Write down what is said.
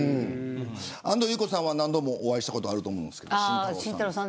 安藤裕子さんは何度もお会いしたことあると思います。